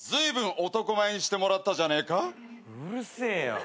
うるせえよ。